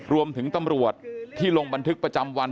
รวมถึงตำรวจที่ลงบันทึกประจำวัน